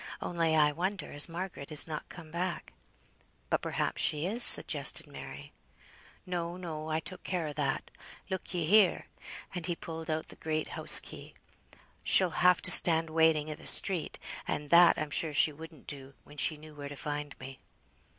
Only I wonder as Margaret is not come back." "But perhaps she is," suggested Mary. "No, no, I took care o' that. Look ye here!" and he pulled out the great house key. "She'll have to stand waiting i' th' street, and that I'm sure she wouldn't do, when she knew where to find me."